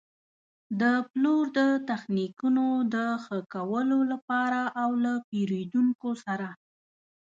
د پلور د تخنیکونو د ښه کولو لپاره او له پېرېدونکو سره.